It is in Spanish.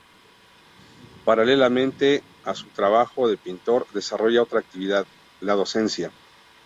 Paralelamente a su trabajo de pintor, desarrolla otra actividad, la docencia.